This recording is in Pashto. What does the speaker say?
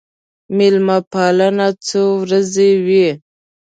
مېلمه پالنه څو ورځې وي.